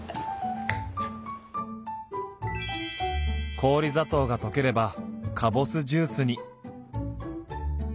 氷砂糖が溶ければかぼすジュースに。